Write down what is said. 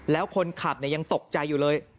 และคนขับนี่ยังตกใจเลย